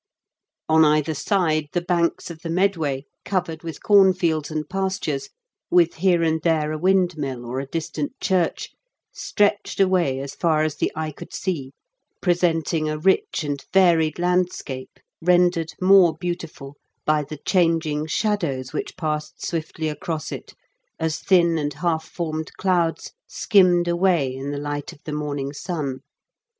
On either side the banks of the Med way, covered with cornfields and pastures, with here and there a windmill, or a distant church, stretched away as far as the eye could see, presenting a rich and varied landscape. DICKENS AT B0CHE8TEB. 43 rendered more beautiful by the changing shadows which passed swiftly across it, as thin and half formed clouds skimmed away in the light of the morning sun.